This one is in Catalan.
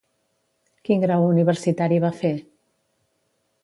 Quin grau universitari va fer?